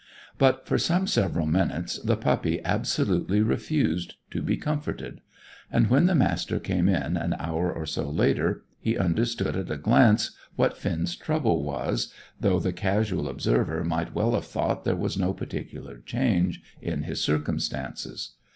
But for some several minutes the puppy absolutely refused to be comforted; and when the Master came in an hour or so later he understood at a glance what Finn's trouble was, though the casual observer might well have thought there was no particular change in his circumstances.